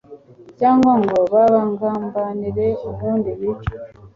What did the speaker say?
cyangwa ngo babagambanire ubundi bicwe.